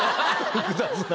複雑な。